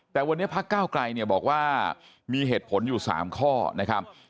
แต่วันนี้พักก้าวไกลเนี่ยบอกว่ามีเหตุผลอยู่๓ข้อนะครับ